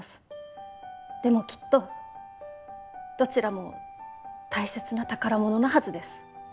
でもきっとどちらも大切な宝物なはずです。